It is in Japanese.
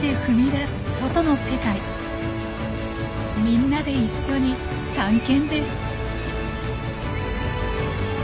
みんなで一緒に探検です！